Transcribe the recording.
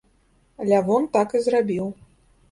Лявон так і зрабіў.